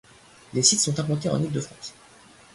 Les sites sont implantés en Île-de-France.